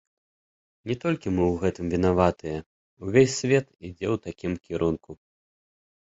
Не толькі мы ў гэтым вінаватыя, увесь свет ідзе ў такім кірунку.